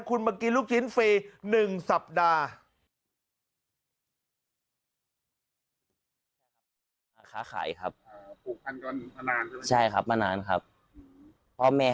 คุณมากินลูกชิ้นฟรี๑สัปดาห์